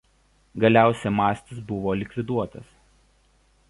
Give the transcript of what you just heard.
Galiausiai „Mastis“ buvo likviduotas.